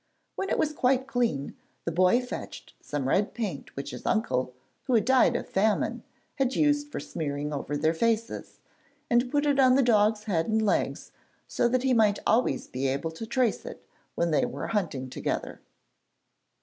When it was quite clean, the boy fetched some red paint which his uncle who had died of famine had used for smearing over their faces, and put it on the dog's head and legs so that he might always be able to trace it when they were hunting together.